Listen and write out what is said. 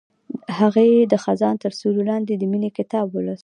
هغې د خزان تر سیوري لاندې د مینې کتاب ولوست.